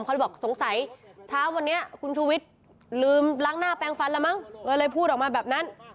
เขาเลยบอกสงสัยเช้าวันนี้คุณชูวิทย์ลืมล้างหน้าแปลงฟันแล้วมั้งก็เลยพูดออกมาแบบนั้น